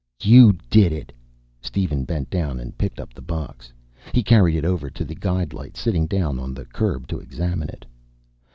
"You did it!"' Steven bent down and picked up the box. He carried it over to the guide light, sitting down on the curb to examine it.